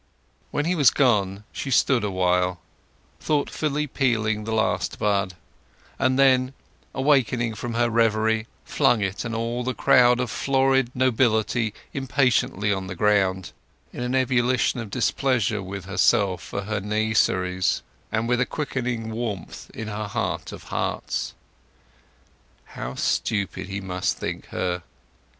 When he was gone she stood awhile, thoughtfully peeling the last bud; and then, awakening from her reverie, flung it and all the crowd of floral nobility impatiently on the ground, in an ebullition of displeasure with herself for her niaiseries, and with a quickening warmth in her heart of hearts. How stupid he must think her!